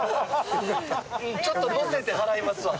ちょっと乗せて払いますわ。